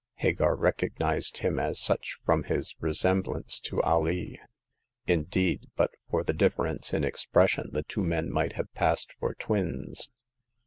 Hagar recognized him as such from his resemblance to Alee ; indeed, but for the difference in expression the two men might have passed for twins.